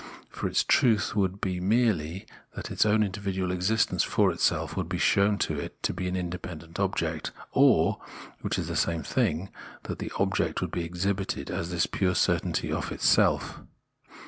For its truth would be merely that its own individual existence for itself would bts shown to it to be an independent object, or, which is the same thing, that the object would be exhibited as this pure certainty of itself.